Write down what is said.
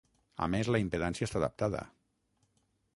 A més la impedància està adaptada.